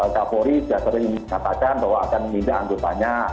kapolri sejaternya ini mengatakan bahwa akan memindah antutannya